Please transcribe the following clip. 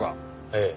ええ。